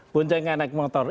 buncengnya naik motor